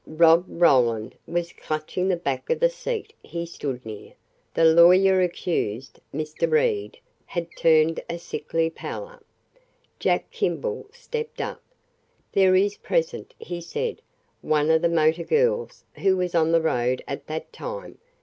Rob Roland was clutching the back of the seat he stood near. The lawyer accused, Mr. Reed, had turned a sickly pallor. Jack Kimball stepped up. "There is present," he said, "one of the motor girls who was on the road at that time.